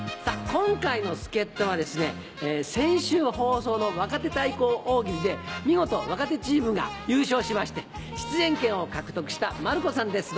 今回の助っ人はですね先週放送の若手対抗大喜利で見事若手チームが優勝しまして出演権を獲得した馬るこさんです